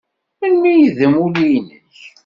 Melmi ay d amulli-nnek?